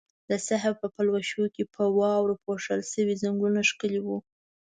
د سحر په پلوشو کې په واورو پوښل شوي ځنګلونه ښکلي وو.